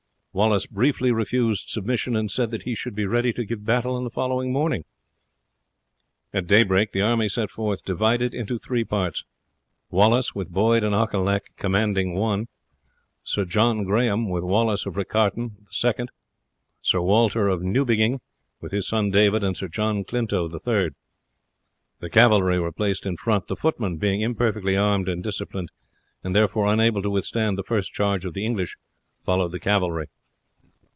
Wallace briefly refused submission, and said that he should be ready to give battle on the following morning. At daybreak the army set forth, divided into three parts. Wallace, with Boyd and Auchinleck, commanded one; Sir John Grahame, with Wallace of Riccarton, the second; Sir Walter of Newbigging, with his son David and Sir John Clinto, the third. The cavalry were placed in front. The footmen, being imperfectly armed and disciplined, and therefore unable to withstand the first charge of the English, followed the cavalry.